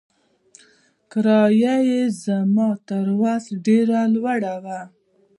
کرايه يې زما تر وس ډېره لوړه وه.